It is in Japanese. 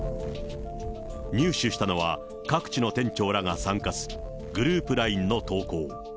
入手したのは、各地の店長らが参加するグループＬＩＮＥの投稿。